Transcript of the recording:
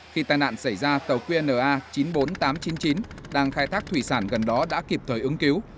khi tai nạn xảy ra tàu qnna chín mươi bốn nghìn tám trăm chín mươi chín đang khai thác thủy sản gần đó đã kịp thời ứng cứu